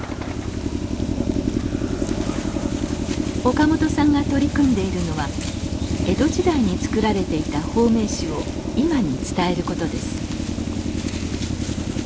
岡本さんが取り組んでいるのは江戸時代につくられていた保命酒を今に伝えることです。